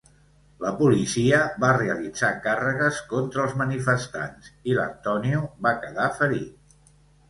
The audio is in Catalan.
La policia va realitzar càrregues contra els manifestants i l'Antonio va quedar ferit.